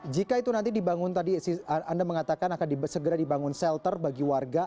jika itu nanti dibangun tadi anda mengatakan akan segera dibangun shelter bagi warga